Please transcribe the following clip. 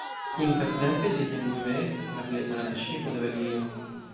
Intertempe ĝi sendube estas la plej konata ŝipo de Belgio.